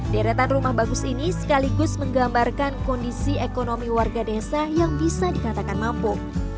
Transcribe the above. deretan rumah bagus ini sekaligus menggambarkan kondisi ekonomi warga desa yang bisa dikatakan mampu